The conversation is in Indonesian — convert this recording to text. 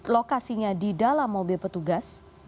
lokasinya di dalam mobil petugas